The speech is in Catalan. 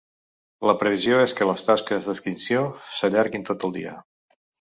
La previsió és que les tasques d’extinció s’allarguin tot el dia.